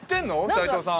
齊藤さん。